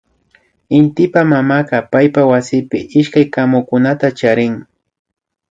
Intipak mamaka paypak wasipi ishkay kamukunata charin